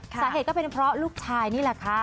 ก็เป็นเพราะลูกชายนี่แหละค่ะ